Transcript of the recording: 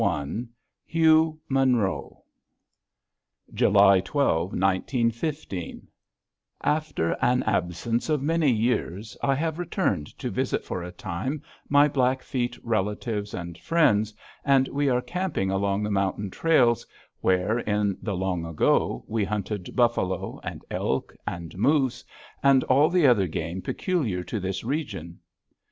_ HUGH MONROE After an absence of many years, I have returned to visit for a time my Blackfeet relatives and friends, and we are camping along the mountain trails where, in the long ago, we hunted buffalo, and elk, and moose, and all the other game peculiar to this region.